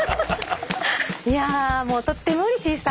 いやあもうとってもうれしいさ。